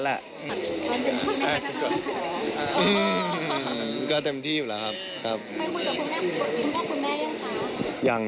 แล้วก็คุณแม่พี่ดมก็ร้องเพลงเพราะมาคุณพ่อหนูก็เป็นนักร้อง